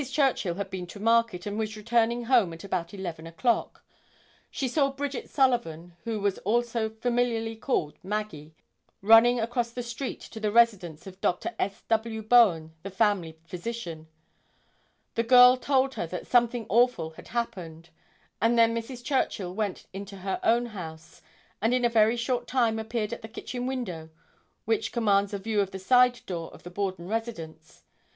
Churchill had been to market and was returning home at about 11 o'clock. She saw Bridget Sullivan, who was also familiarly called "Maggie," running across the street to the residence of Dr. S. W. Bowen, the family physician. The girl told her that "something awful" had happened, and then Mrs. Churchill went into her own house and in a very short time appeared at the kitchen window, which commands a view of the side door of the Borden residence.